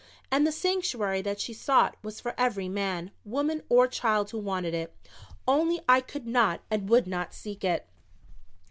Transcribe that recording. And the sanctuary that she sought was for every man, woman or child who wanted it only I could not and would not seek it.